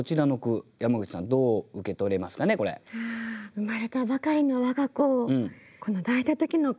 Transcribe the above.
生まれたばかりの我が子を抱いた時の感動。